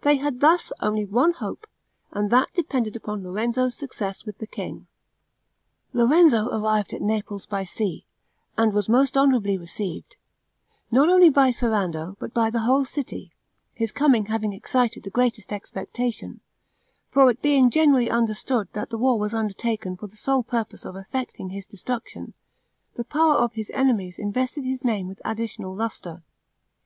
They had thus only one hope, and that depended upon Lorenzo's success with the king. Lorenzo arrived at Naples by sea, and was most honorably received, not only by Ferrando, but by the whole city, his coming having excited the greatest expectation; for it being generally understood that the war was undertaken for the sole purpose of effecting his destruction, the power of his enemies invested his name with additional lustre.